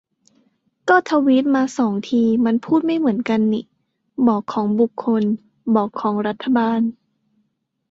ก็ทวีตมาสองที มันพูดไม่เหมือนกันนิ : บอกของบุคคล ; บอกของรัฐบาล